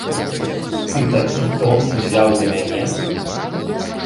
Ты такі тон узяў да мяне?